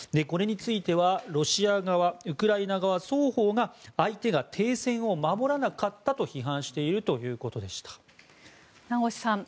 これについてはロシア側、ウクライナ側双方が相手が停戦を守らなかったと批判しているということでした。